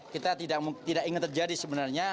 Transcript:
kita tidak ingin terjadi sebenarnya